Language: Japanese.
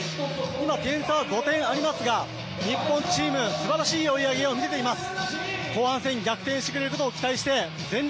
今、点差は５点ありますが、日本チーム、すばらしい追い上げを見せています。